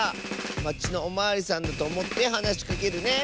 まちのおまわりさんだとおもってはなしかけるね！